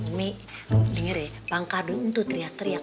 umi denger ya bang kardun tuh teriak teriak